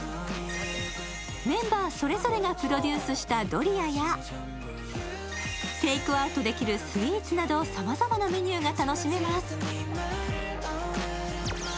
メンバーそれぞれがプロデュースしたドリアやテイクアウトできるスイーツなどさまざまなメニューが楽しめます。